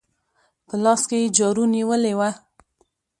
په لاس کې يې جارو نيولې وه.